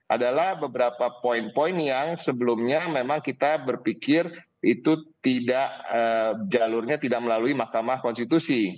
adalah beberapa poin poin yang sebelumnya memang kita berpikir itu tidak jalurnya tidak melalui mahkamah konstitusi